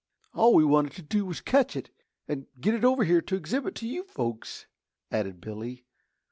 "All we wanted to do was to catch it, and get it over here to exhibit to you folks," added Billy.